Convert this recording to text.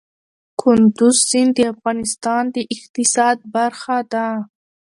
کندز سیند د افغانستان د اقتصاد برخه ده.